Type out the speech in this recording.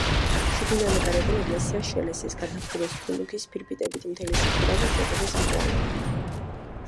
შიგნიდან და გარედან ეკლესია შელესეს, გადახურეს თუნუქის ფირფიტებით, მთელი სახურავი შეღებეს მწვანედ.